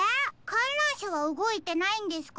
かんらんしゃはうごいてないんですか？